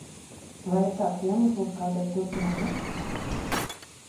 Vai ir kāds iemesls, kādēļ turpinam iet?